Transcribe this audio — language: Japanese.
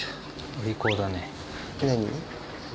お利口だね。